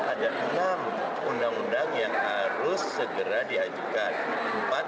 ada enam undang undang yang harus segera diajukan